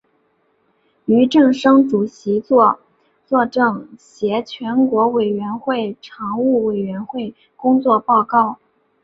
俞正声主席作政协全国委员会常务委员会工作报告。